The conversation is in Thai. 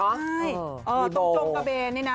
จงเกเบน